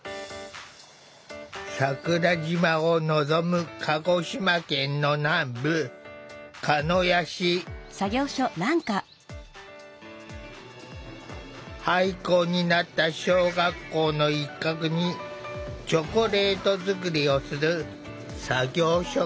桜島を望む鹿児島県の南部廃校になった小学校の一角にチョコレート作りをする作業所がある。